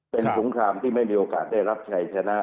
เป็นสงครามที่ไม่มีโอกาสได้รับชัยชนะ